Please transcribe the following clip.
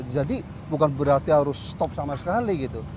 jadi bukan berarti harus stop sama sekali gitu